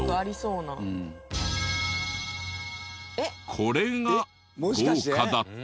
これが豪華だった。